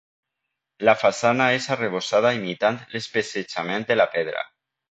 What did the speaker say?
La façana és arrebossada imitant l'especejament de la pedra.